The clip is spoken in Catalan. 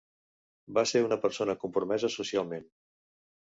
Va ser una persona compromesa socialment.